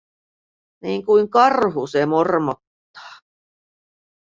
Niinkuin karhu se mormottaa.